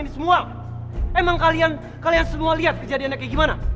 ini semua emang kalian semua lihat kejadiannya kayak gimana